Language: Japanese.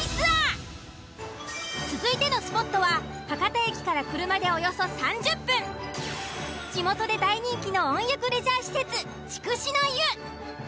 続いてのスポットは博多駅から車でおよそ３０分地元で大人気の温浴レジャー施設筑紫の湯。